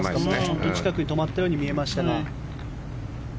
近くに止まったように見えましたが。